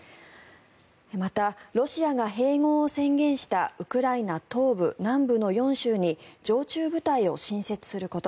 また、ロシアが併合を宣言したウクライナ東部、南部の４州に常駐部隊を新設すること